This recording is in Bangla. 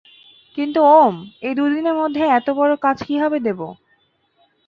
কিন্তু ওম, এই দুই দিনের মধ্যে এতবড় কাজ কিভাবে দেব?